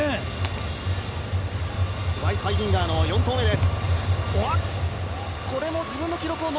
ワイスハイディンガーの４投目です。